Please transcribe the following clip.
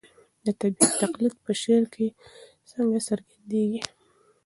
د طبیعت تقلید په شعر کې څنګه څرګندېږي؟